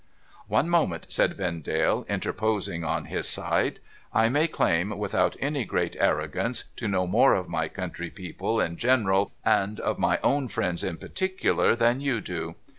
' One moment,' said Vendale, interposing on his side. ' I may claim, without any great arrogance, to know more of my country people in general, and of my own friends in particular, than you do.